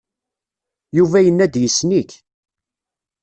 Yuba yenna-d yessen-ik.